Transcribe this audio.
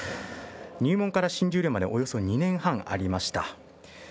入門から新十両までおよそ２年間ありました。